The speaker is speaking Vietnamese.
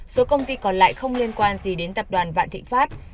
số công ty còn lại không liên quan gì đến tập đoàn vạn thịnh pháp